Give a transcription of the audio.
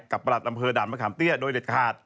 ประหลัดอำเภอด่านมะขามเตี้ยโดยเด็ดขาด